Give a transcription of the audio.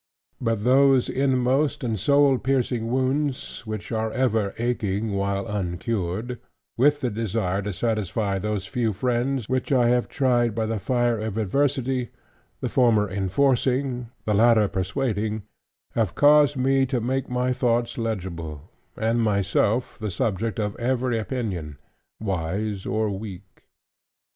But those inmost and soul piercing wounds, which are ever aching while uncured; with the desire to satisfy those few friends, which I have tried by the fire of adversity, the former enforcing, the latter persuading; have caused me to make my thoughts legible, and myself the subject of every opinion, wise or weak.